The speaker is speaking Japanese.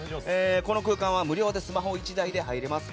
この空間は無料でスマホ１台で入れます。